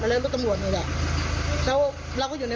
แล้วรถตำรวจนี่แหละแล้วเราก็อยู่ในบ้านมองเห็นไง